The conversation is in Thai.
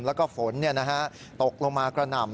แล้วก็ฝนตกลงมากระหน่ำ